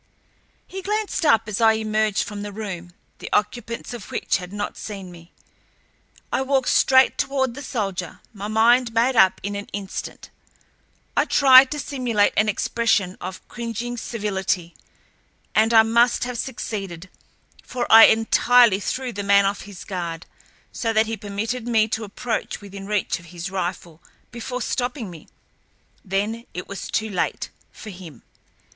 He glanced up as I emerged from the room, the occupants of which had not seen me. I walked straight toward the soldier, my mind made up in an instant. I tried to simulate an expression of cringing servility, and I must have succeeded, for I entirely threw the man off his guard, so that he permitted me to approach within reach of his rifle before stopping me. Then it was too late—for him.